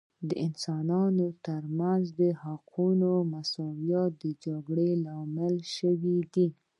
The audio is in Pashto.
د انسانانو ترمنځ د حقوقو مساوات د جګړو لامل سوی دی